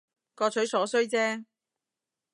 各取所需姐